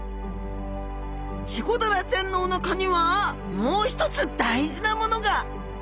チゴダラちゃんのおなかにはもう一つ大事なものが！